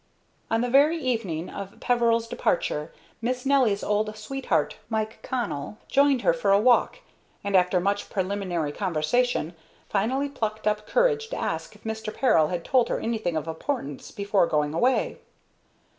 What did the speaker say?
On the very evening of Peveril's departure Miss Nelly's old sweetheart, Mike Connell, joined her for a walk, and, after much preliminary conversation, finally plucked up courage to ask if Mr. Peril had told her anything of importance before going away.